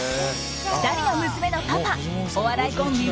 ２人の娘のパパお笑いコンビ